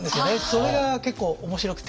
それが結構面白くて。